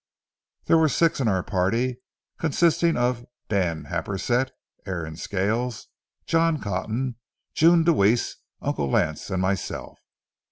There were six in our party, consisting of Dan Happersett, Aaron Scales, John Cotton, June Deweese, Uncle Lance, and myself.